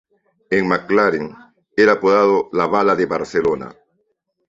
En McLaren, era apodado "La Bala de Barcelona".